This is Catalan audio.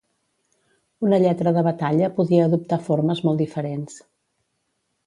Una lletra de batalla podia adoptar formes molt diferents.